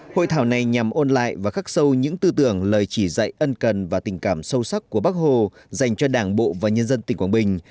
hội thảo này nhằm ôn lại và khắc sâu những tư tưởng lời chỉ dạy ân cần và tình cảm sâu sắc của bác hồ dành cho đảng bộ và nhân dân tỉnh quảng bình